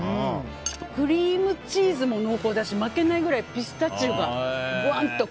クリームチーズも濃厚だし負けないくらいピスタチオがぶわっと。